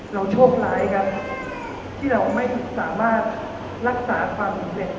โชคร้ายครับที่เราไม่สามารถรักษาความสำเร็จ